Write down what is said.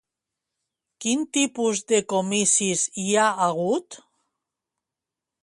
Quin tipus de comicis hi ha hagut?